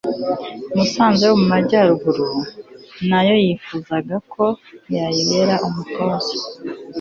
musanze yo mu majyaruguru, na yo yifuzaga ko yayibera umutoza